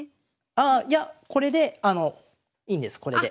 ああいやこれでいいんですこれで。